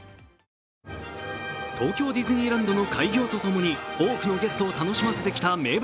東京ディズニーランドの開業とともに、多くのゲストを楽しませてきた名物